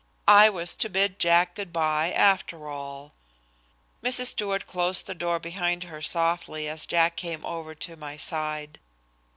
I was to bid Jack good by after all. Mrs. Stewart closed the door behind her softly as Jack came over to my side.